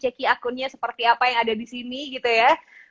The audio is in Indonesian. jadi aku nge share lagi akunnya seperti apa yang ada disini gitu ya